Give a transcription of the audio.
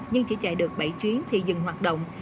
nhưng chỉ chạy được bảy chuyến thì dừng hoạt động